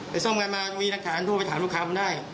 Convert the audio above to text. ซ่อมกันมามีหลักฐานโทรไปถามลูกค้าผมได้